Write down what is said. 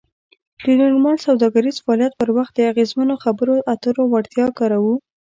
د نورمال سوداګریز فعالیت پر وخت د اغیزمنو خبرو اترو وړتیا کاروو.